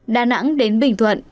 đà nẵng đến bình thuận